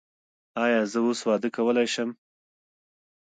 ایا زه اوس واده کولی شم؟